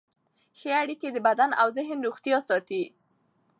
ښه اړیکې د بدن او ذهن روغتیا ساتي.